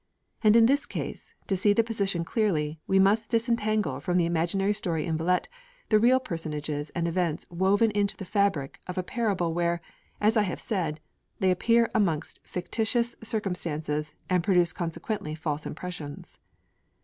And in this case, to see the position clearly, we must disentangle from the imaginary story in Villette the real personages and events woven into the fabric of a parable where, as I have said, they appear amongst fictitious circumstances and produce consequently false impressions.